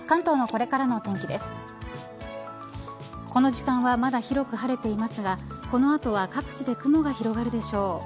この時間はまだ広く晴れていますがこの後は各地で雲が広がるでしょう。